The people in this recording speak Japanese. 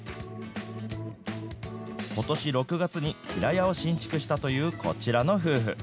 ことし６月に平屋を新築したというこちらの夫婦。